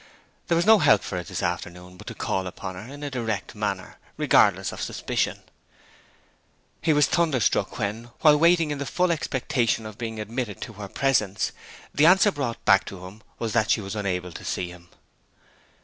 There was no help for it this afternoon but to call upon her in a direct manner, regardless of suspicions. He was thunderstruck when, while waiting in the full expectation of being admitted to her presence, the answer brought back to him was that she was unable to see him.